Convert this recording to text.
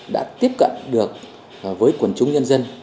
đã tiếp cận được với quần chúng nhân dân